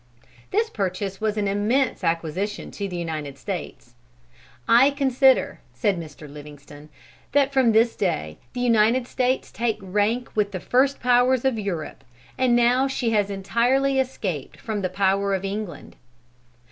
This purchase was an immense acquisition to the United States. "I consider," said Mr. Livingston, "that from this day, the United States take rank with the first powers of Europe, and now she has entirely escaped from the power of England."